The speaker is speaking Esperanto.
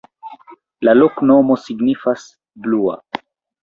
La loknomo signifas: blua.